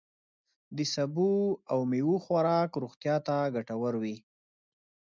د سبوو او میوو خوراک روغتیا ته ګتور وي.